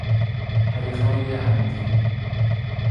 حریقهای عمدی